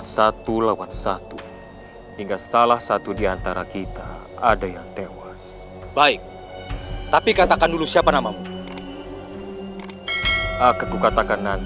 sampai jumpa di video selanjutnya